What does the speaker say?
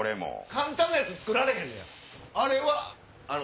簡単なやつ作られへんねや。